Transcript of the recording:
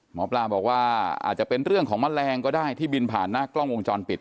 หมอปลาบอกว่าอาจจะเป็นเรื่องของแมลงก็ได้ที่บินผ่านหน้ากล้องวงจรปิด